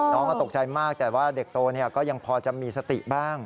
น้องก็ตกใจมากแต่ว่าเด็กโตก็ยังพอจะมีสติบ้าง